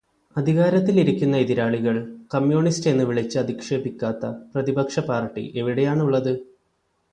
അധികാരത്തിലിരിക്കുന്ന എതിരാളികൾ കമ്മ്യൂണിസ്റ്റ് എന്നു വിളിച്ചു് അധിക്ഷേപിക്കാത്ത പ്രതിപക്ഷപ്പാർട്ടി എവിടെയാണുള്ളതു്?